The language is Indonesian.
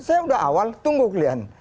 saya udah awal tunggu kalian